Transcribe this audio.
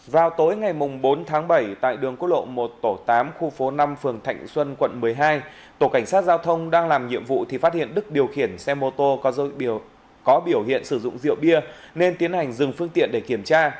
vào tối ngày bốn tháng bảy tại đường quốc lộ một tổ tám khu phố năm phường thạnh xuân quận một mươi hai tổ cảnh sát giao thông đang làm nhiệm vụ thì phát hiện đức điều khiển xe mô tô có biểu hiện sử dụng rượu bia nên tiến hành dừng phương tiện để kiểm tra